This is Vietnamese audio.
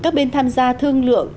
các bên tham gia thương lượng